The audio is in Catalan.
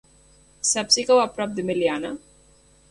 Saps si cau a prop de Meliana?